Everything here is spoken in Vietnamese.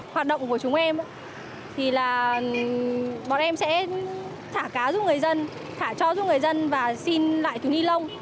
hoạt động của chúng em thì là bọn em sẽ thả cá giúp người dân thả cho người dân và xin lại túi ni lông